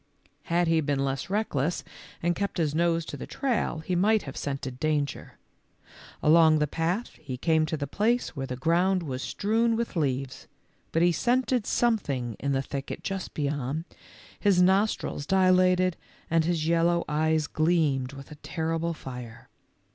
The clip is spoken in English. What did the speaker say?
Had he been less BOB'S REVENGE. 143 reckless and kept his nose to the trail he might have scented danger. Along the path he came to the place where the ground was strewn with leaves, but he scented something in the thicket just beyond, his nostrils dilated, and his yellow eyes gleamed with a terrible fire.